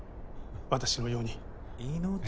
私のように。